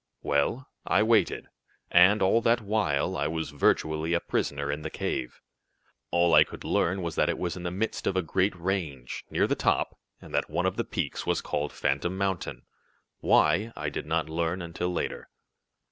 "Well, I waited, and, all that while, I was virtually a prisoner in the cave. All I could learn was that it was in the midst of a great range, near the top, and that one of the peaks was called Phantom Mountain. Why, I did not learn until later.